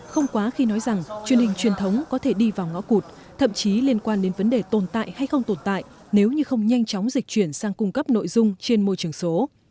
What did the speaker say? không quá khi nói rằng truyền hình truyền thống có thể đi vào ngõ cụt thậm chí liên quan đến vấn đề tồn tại hay không tồn tại nếu như không nhanh chóng dịch chuyển sang cung cấp nội dung trên môi trường số